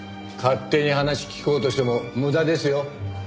勝手に話聞こうとしても無駄ですよ。